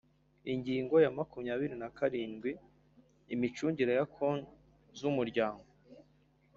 Ingingo ya makumyabiri na karindwi: Imicungire ya Konti z’Umuryango.